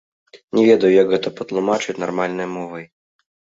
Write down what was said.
Не ведаю, як гэта патлумачыць нармальнай мовай.